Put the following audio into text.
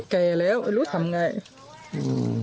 แก่แล้วรู้สึกทำอย่างไร